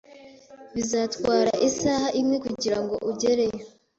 Bizatwara isaha imwe kugirango ugereyo.